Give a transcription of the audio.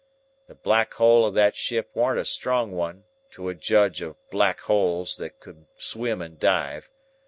The black hole of that ship warn't a strong one, to a judge of black holes that could swim and dive.